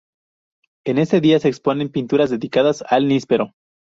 En este día se exponen pinturas dedicadas al níspero.